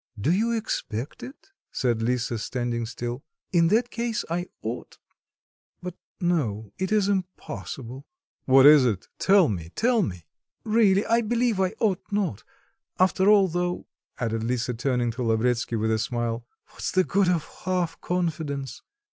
"Do you expect it?" said Lisa, standing still. "In that case I ought but no! It is impossible." "What is it? Tell me, tell me." "Really, I believe I ought not after all, though," added Lisa, turning to Lavretsky with a smile, "what's the good of half confidence?